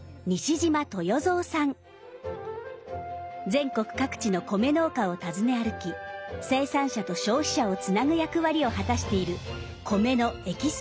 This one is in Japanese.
全国各地の米農家を訪ね歩き生産者と消費者をつなぐ役割を果たしている米のエキスパートです。